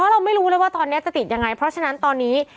เราไม่รู้เลยว่าตอนนี้จะติดยังไงเพราะฉะนั้นตอนนี้